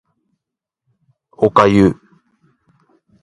お粥